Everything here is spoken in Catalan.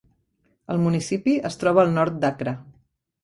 El municipi es troba al nord d"Accra.